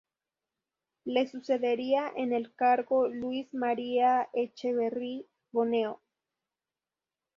Le sucedería en el cargo Luis María Etcheverry Boneo.